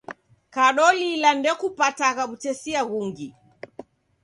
Kadolila ndekupatagha w'utesia ghungi